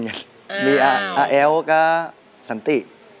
อ้าวมีอาแอวกับสันติ